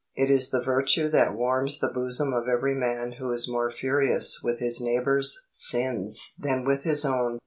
It is the virtue that warms the bosom of every man who is more furious with his neighbour's sins than with his own.